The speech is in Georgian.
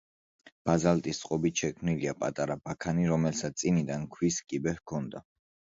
ბაზალტის წყობით შექმნილია პატარა ბაქანი, რომელსაც წინიდან ქვის კიბე ჰქონდა.